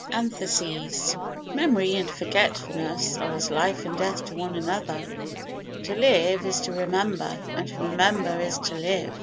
Antitheses Memory and forgetfulness are as life and death to one another. To live is to remember and to remember is to live.